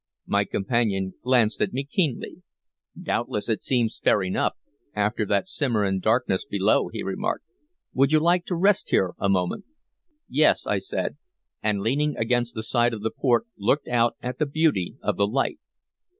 My companion glanced at me keenly. "Doubtless it seems fair enough, after that Cimmerian darkness below," he remarked. "Would you like to rest here a moment?" "Yes," I said, and, leaning against the side of the port, looked out at the beauty of the light.